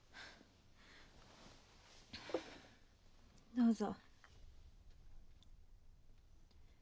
どうぞ。